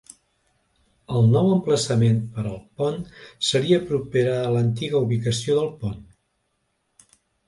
El nou emplaçament per al pont seria propera a l'antiga ubicació del pont.